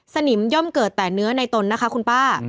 สนิมย่อมเกิดแต่เนื้อในตนนะคะคุณป้า